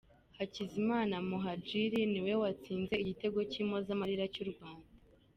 Hakizimana Muhadjili ni we watsinze igitego cy'impozamarira cy'u Rwanda.